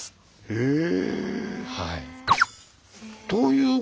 へえ。